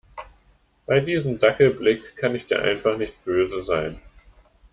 Bei diesem Dackelblick kann ich dir einfach nicht böse sein.